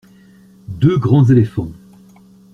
Deux grands éléphants.